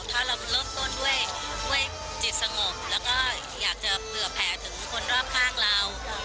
ถ้าเราเริ่มต้นด้วยจิตสงบแล้วก็อยากจะเผื่อแผลถึงคนรอบข้างเรา